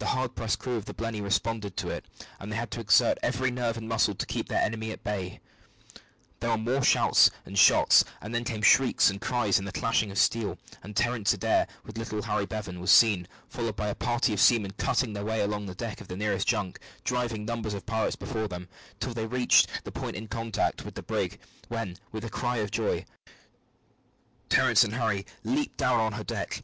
The hard pressed crew of the Blenny responded to it, but they had to exert every nerve and muscle to keep the enemy at bay. There were more shouts and shots, and then came shrieks and cries and the clashing of steel, and Terence Adair, with little Harry Bevan, was seen, followed by a party of seamen, cutting their way along the deck of the nearest junk, driving numbers of pirates before them, till they reached the point in contact with the brig, when, with a cry of joy, Terence and Harry leaped down on her deck.